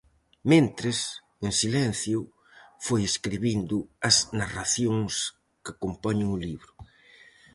Mentres, en silencio, foi escribindo as narracións que compoñen o libro.